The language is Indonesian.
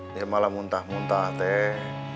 dia malah muntah muntah teh